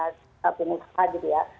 nah pengusaha jadi ya